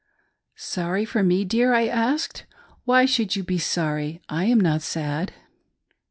" Sorry for me, dear ?" I said, " Why should you be sorry .' I am not sad."